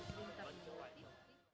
cảm ơn các bạn đã theo dõi và hẹn gặp lại